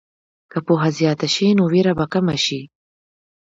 که پوهه زیاته شي، نو ویره به کمه شي.